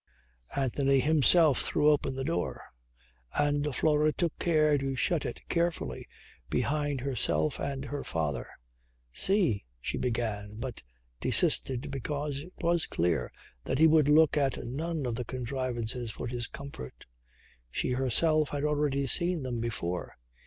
Anthony himself threw open the door and Flora took care to shut it carefully behind herself and her father. "See," she began but desisted because it was clear that he would look at none of the contrivances for his comfort. She herself had hardly seen them before.